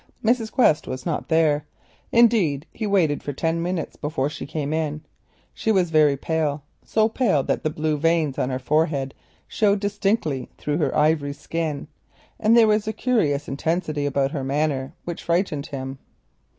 Mrs. Quest was not there; indeed he waited for ten minutes before she came in. She was pale, so pale that the blue veins on her forehead showed distinctly through her ivory skin, and there was a curious intensity about her manner which frightened him.